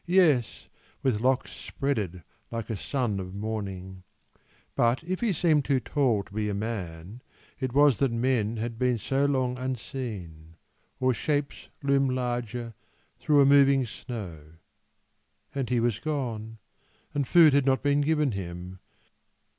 Yes, with locks spreaded like a son of morning; But if he seemed too tall to be a man It was that men had been so long unseen, Or shapes loom larger through a moving snow. And he was gone and food had not been given him.